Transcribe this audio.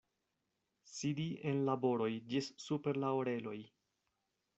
Sidi en laboroj ĝis super la oreloj.